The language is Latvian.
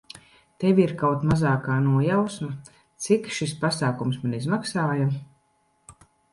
Tev ir kaut mazākā nojausma, cik šis pasākums man izmaksāja?